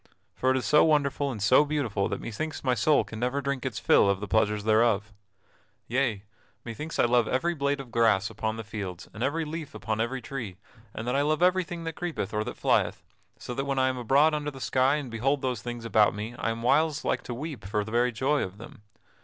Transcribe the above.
For it is so wonderful and so beautiful that methinks my soul can never drink its fill of the pleasures thereof. Yea; methinks I love every blade of grass upon the fields, and every leaf upon every tree: and that I love everything that creepeth or that flyeth, so that when I am abroad under the sky and behold those things about me I am whiles like to weep for very joy of them.